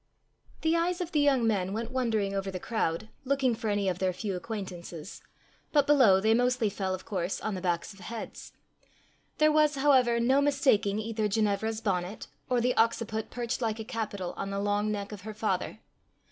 The eyes of the young men went wandering over the crowd, looking for any of their few acquaintances, but below they mostly fell of course on the backs of heads. There was, however, no mistaking either Ginevra's bonnet or the occiput perched like a capital on the long neck of her father.